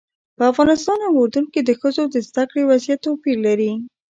په افغانستان او اردن کې د ښځو د زده کړې وضعیت توپیر لري.